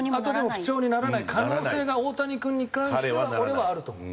不調にならない可能性が大谷君に関しては俺はあると思う。